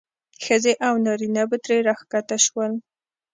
ښځې او نارینه به ترې راښکته شول.